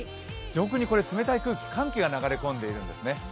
上空に冷たい空気、寒気が流れ込んでいるんですね。